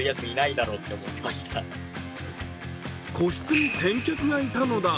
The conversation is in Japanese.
個室に先客がいたのだ。